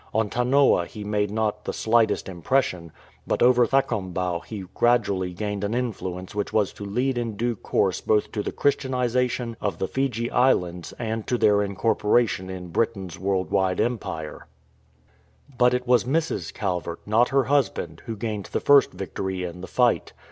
On Tanoa he made not the slightest impression ; but over Thakombau he gradually gained an influence which was to lead in due course both to the Christianization of the Fiji Islands and to their incorporation in Britain'*s world wide empire. But it was Mrs. Calvert, not her husband, who gained the first victory in the fight.